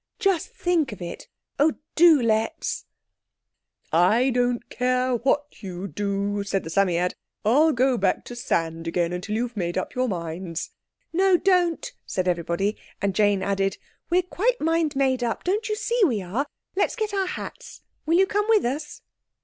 _ Just think of it! Oh, do let's!" "I don't care what you do," said the Psammead; "I'll go back to sand again till you've made up your minds." "No, don't!" said everybody; and Jane added, "We are quite mind made up—don't you see we are? Let's get our hats. Will you come with us?"